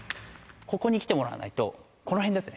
ここに来てもらわないと、この辺ですね。